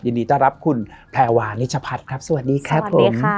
ยินดีจะรับคุณแพวานิชพัดครับสวัสดีครับผม